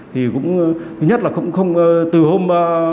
thứ nhất là từ hôm